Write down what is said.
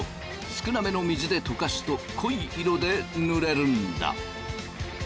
少なめの水で溶かすと濃い色で塗れるんだ。